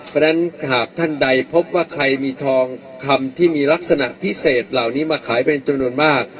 เพราะฉะนั้นหากท่านใดพบว่าใครมีทองคำที่มีลักษณะพิเศษเหล่านี้มาขายเป็นจำนวนมาก